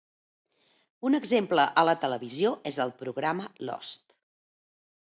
Un exemple a la televisió és el programa "Lost".